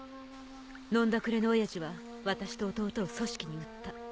飲んだくれの親父は私と弟を組織に売った。